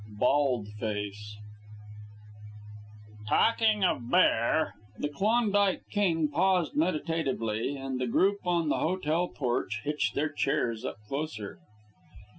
BALD FACE "Talkin' of bear " The Klondike King paused meditatively, and the group on the hotel porch hitched their chairs up closer.